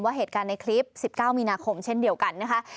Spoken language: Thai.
เหตุการณ์ในคลิป๑๙มีนาคมเช่นเดียวกันนะคะ